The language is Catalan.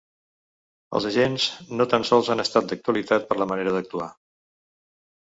Els agents no tan sols han estat d’actualitat per la manera d’actuar.